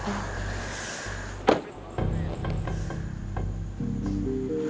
kayaknya aku denger suara mobil